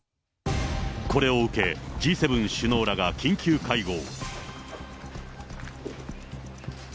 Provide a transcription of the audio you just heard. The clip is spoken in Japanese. これを受け、Ｇ７首脳らが緊急会合。